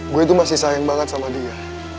gue itu masih sayang banget sama dia